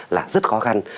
là rất khó khăn